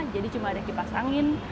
jadi cuma ada kipas angin